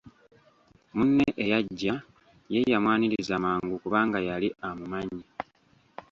Munne eyajja ye yamwaniriza mangu kubanga yali amumanyi.